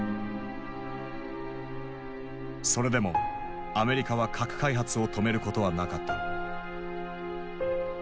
それでもアメリカは核開発を止めることはなかった。